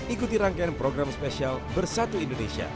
ikuti rangkaian program spesial bersatu indonesia